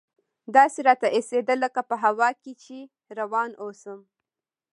داسې راته اېسېده لکه په هوا کښې چې روان اوسم.